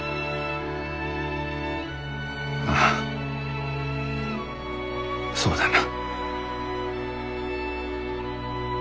ああそうだな。